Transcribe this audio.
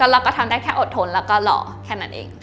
เราก็ทำได้แค่อดทนแล้วก็หล่อแค่นั้นเอง